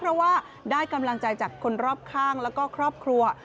เพราะว่าได้กำลังใจจากคนรอบข้างแล้วก็ครอบครัว